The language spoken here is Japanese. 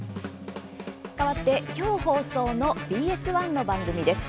今日、放送のＢＳ１の番組です。